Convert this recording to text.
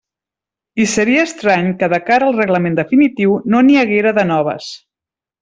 I seria estrany que de cara al reglament definitiu no n'hi haguera de noves.